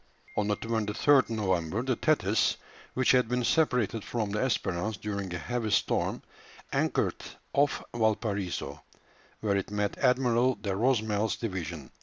On the 23rd November the Thetis, which had been separated from the Espérance during a heavy storm, anchored off Valparaiso, where it met Admiral de Rosamel's division.